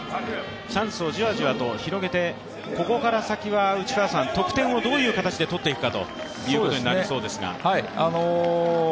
チャンスをじわじわと広げて、ここから先は得点をどういう形で取っていくかということになりそうですが。